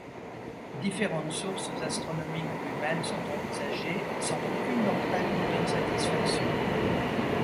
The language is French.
Différentes sources astronomiques ou humaines sont envisagées sans qu'aucune d'entre elles ne donne satisfaction.